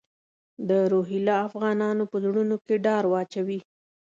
د روهیله افغانانو په زړونو کې ډار واچوي.